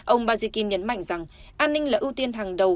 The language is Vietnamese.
ông bajikin nhấn mạnh rằng an ninh là ưu tiên hàng đầu